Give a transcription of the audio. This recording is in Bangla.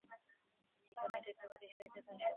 এইখানেই দ্বৈতবাদীর সহিত তাঁহার সম্পূর্ণ প্রভেদ।